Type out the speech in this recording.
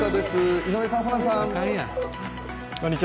井上さん、ホランさん。